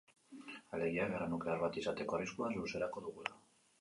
Alegia, gerra nuklear bat izateko arriskua luzerako dugula.